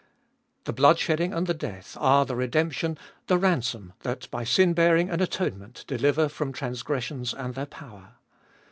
The blood shedding and the death are the redemption, the ransom, that by sin bearing and atonement deliver from transgressions and their power.